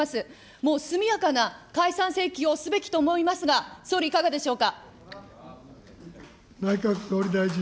もう速やかな解散請求をすべきと思いますが、総理、いかがでしょうか。